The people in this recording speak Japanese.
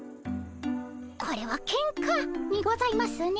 これはけんかにございますね。